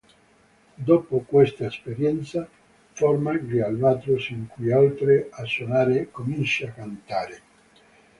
Dopo questa esperienza, forma gli Albatros, in cui oltre a suonare comincia a cantare.